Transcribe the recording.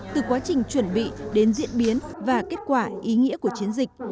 từ quá trình chuẩn bị đến diễn biến và kết quả ý nghĩa của chiến dịch